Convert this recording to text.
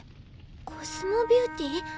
コスモビューティー？